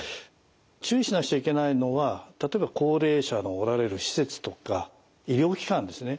注意しなくちゃいけないのは例えば高齢者のおられる施設とか医療機関ですね。